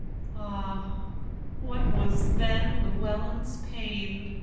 Ah, what was then Llewelyn's pain!